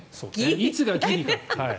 いつがギリか。